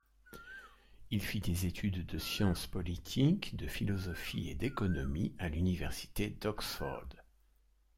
Il fit des études de sciences politiques, de philosophie et d'économie à l'université d'Oxford.